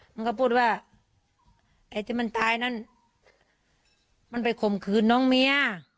มันก็พูดว่าไอ้ที่มันตายนั้นมันไปข่มขืนน้องเมีย